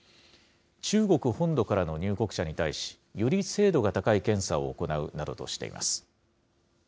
中国本土からの入国者に対し、より精度が高い検査を行うなどとしています。